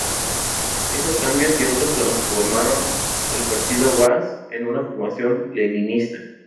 Estos cambios y otros transformaron el Partido Baaz en una formación leninista.